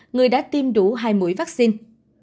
người đã tiêm đủ hai mũi vaccine